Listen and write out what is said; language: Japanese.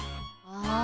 ああ。